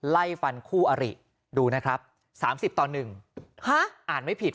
ไล่ฟันคู่อริดูนะครับสามสิบต่อหนึ่งฮะอ่านไม่ผิด